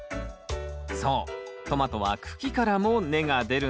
そうトマトは茎からも根が出るんです。